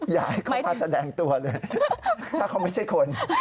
อยากให้เขามาแสดงตัวเลยถ้าเขาไม่ใช่คน